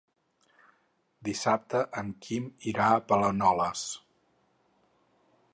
Dissabte en Quim irà a Planoles.